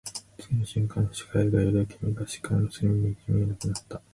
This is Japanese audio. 次の瞬間、視界が揺れ、君が視界の隅に行き、見えなくなった